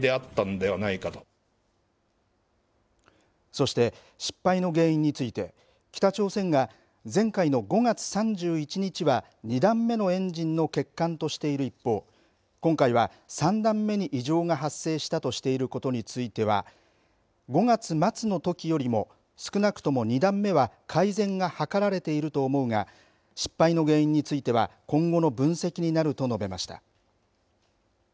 そして失敗の原因について北朝鮮が、前回の５月３１日は２段目のエンジンの欠陥としている一方今回は３段目に異常が発生したとしていることについては５月末のときよりも少なくとも２段目は改善が図られていると思うが失敗の原因については今後の分析になると述べました。